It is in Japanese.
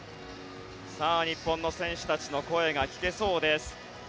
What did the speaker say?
日本の選手たちの声が聞けそうです。